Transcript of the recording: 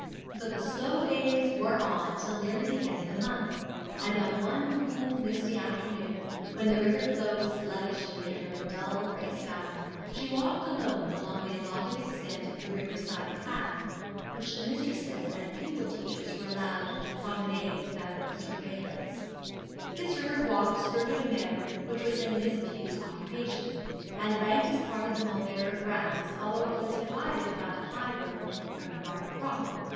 So the slow days wore on till nearly the end of the month, and on one cool, misty, afternoon, when the river flowed sluggishly under a dull grey sky she walked alone along that allotted extent of the river side path which the mistresses and pupil teachers were allowed to promenade without surveillance. This river walk skirted a meadow which was in Miss Pew's occupation, and ranked as a part of the Mauleverer grounds, although it was divided by the high road from the garden proper.